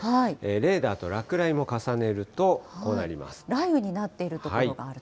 レーダーと落雷も重ねると、こう雷雨になっている所があると。